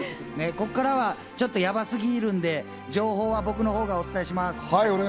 ここからはヤバすぎるんで、情報は僕のほうからお伝えします。